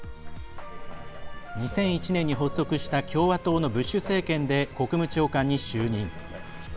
２００１年に発足した共和党のブッシュ政権で国務長官に就任。